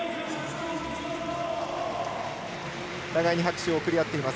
お互いに拍手を送り合います。